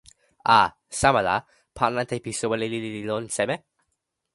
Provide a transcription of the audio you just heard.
a, sama la, pan ante pi soweli lili li lon seme?